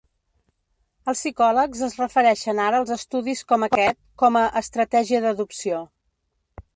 Els psicòlegs es refereixen ara als estudis com aquest com a "estratègia d'adopció".